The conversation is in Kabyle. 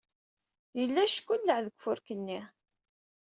Yella yeckelleɛ deg ufurk-nni.